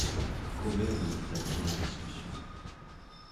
Omer n'évita point la discussion.